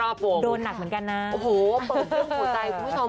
โอ้โหเปิดเครื่องหัวใจคุณผู้ชม